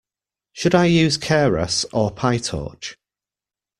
Should I use Keras or Pytorch?